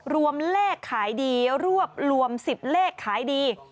รวมเลขขายดีรวบรวม๑๐เลขขายดี